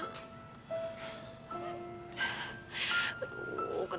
kenapa aku kesel